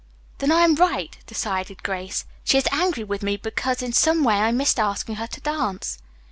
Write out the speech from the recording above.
"Then I am right," decided Grace. "She is angry with me because in some way I missed asking her to dance."